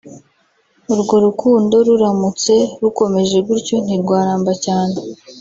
urwo rukundo ruramutse rukomeje gutyo ntirwaramba cyane